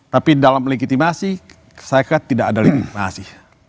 tapi dalam legitimasi saya kan tidak ada legitimasi